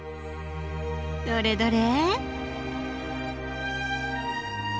どれどれ。